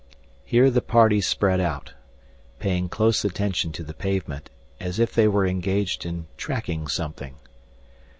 Here the party spread out, paying close attention to the pavement, as if they were engaged in tracking something.